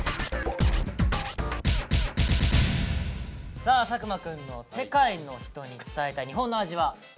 さあ作間くんの「世界の人に伝えたい日本の味」は？